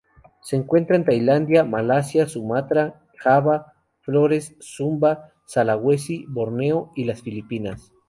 Se encuentra en Tailandia, Malasia, Sumatra, Java, Flores, Sumba, Sulawesi, Borneo, y las Filipinas.